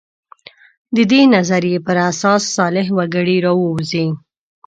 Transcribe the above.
د دې نظریې پر اساس صالح وګړي راووځي.